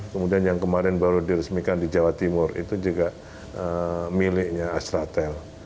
kemudian yang kemarin baru diresmikan di jawa timur itu juga miliknya asratel